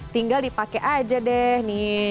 tinggal dipakai aja deh nih